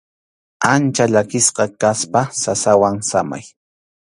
Ancha llakisqa kaspa sasawan samay.